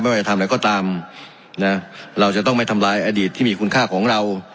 ว่าจะทำอะไรก็ตามนะเราจะต้องไม่ทำลายอดีตที่มีคุณค่าของเรา